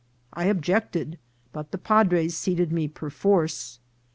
I objected, but the padres seated me perforce.